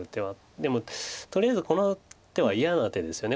でもとりあえずこの手は嫌な手ですよね。